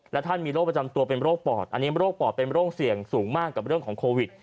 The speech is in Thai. และท่านมีโรคประจำตัวเป็นโรคปอดอันนี้โรคปอดเป็นโรคเสี่ยงสูงมากกับเรื่องของโควิด